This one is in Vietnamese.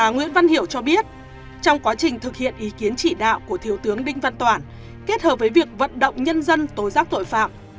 nguyễn văn hiểu cho biết trong quá trình thực hiện ý kiến chỉ đạo của thiếu tướng đinh văn toản kết hợp với việc vận động nhân dân tố giác tội phạm